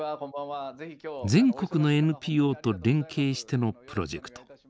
全国のＮＰＯと連携してのプロジェクト。